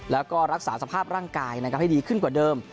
แล้วก็รักษาสภาพร่างกายนะครับให้ดีขึ้นกว่าเดิม